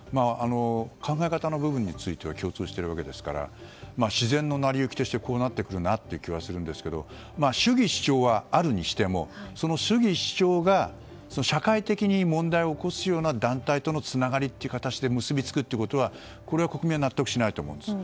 考え方の部分については共通しているわけですから自然の成り行きとしてこうなってくるなという気はするんですけど主義主張はあるにしてもその主義主張が社会的に問題を起こす団体とのつながりという形で結びつくということは国民は納得しないと思うんです。